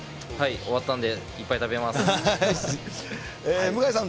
終わったんで、いっぱい食べ向さん。